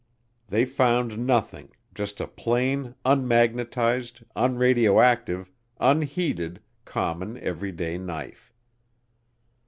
They found nothing, just a plain, unmagnetized, unradioactive, unheated, common, everyday knife.